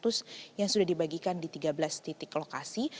tahun ini ada sekitar dua sembilan ratus yang sudah dibagikan di tiga belas titik lokasi